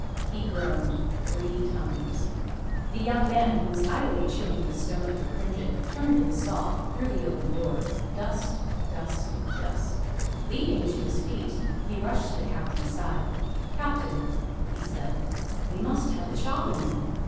He groaned three times. The young man, who was idly chewing the stone of a cringet, turned and saw, through the open door, dust, dust, dust. Leaping to his feet, he rushed to the Captain's side. "Captain," said he, "we must have a Charwoman."